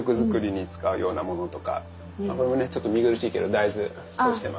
あこれもねちょっと見苦しいけど大豆干してます。